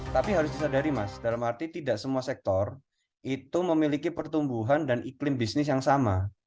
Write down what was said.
tapi harus disadari mas dalam arti tidak semua sektor itu memiliki pertumbuhan dan iklim bisnis yang sama